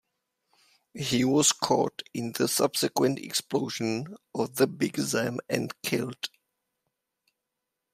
He was caught in the subsequent explosion of the Big Zam and killed.